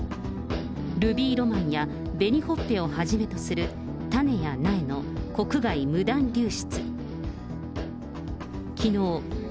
ルビーロマンや紅ほっぺをはじめとする、種や苗の国外無断流出。